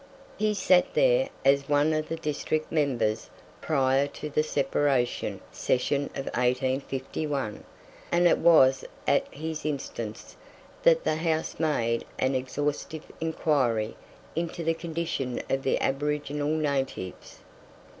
He sat there as one of the district members prior to the "separation" session of 1851, and it was at his instance that the House made an exhaustive inquiry into the condition of the aboriginal natives.